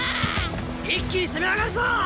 一気に攻め上がるぞ！